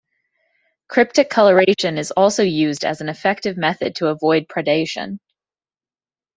Cryptic coloration is also used as an effective method to avoid predation.